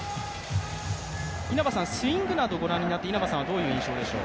スイングなどご覧になって稲葉さんはどういう印象でしょう？